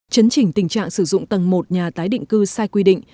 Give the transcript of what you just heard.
chấn chỉnh tình trạng sử dụng tầng một nhà tái định cư sai quy định